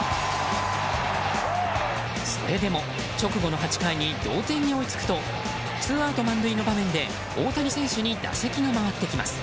それでも直後の８回に同点に追いつくとツーアウト満塁の場面で大谷選手に打席が回ってきます。